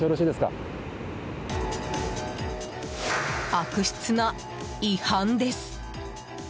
悪質な違反です！